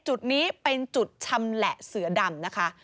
จุดนี้เป็นจุดชำแหละเสือดำนะคะ